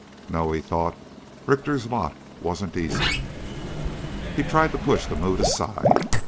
No, he thought, Richter's lot wasn't easy. He tried to push the mood aside.